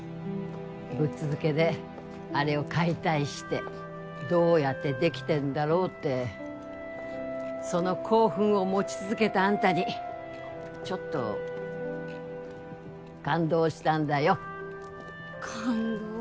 ぶっ続けであれを解体してどうやって出来てんだろうってその興奮を持ち続けたあんたにちょっと感動したんだよ感動？